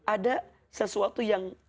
ada sesuatu yang